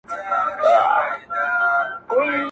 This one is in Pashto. هغې وهلی اووه واري په قرآن هم يم~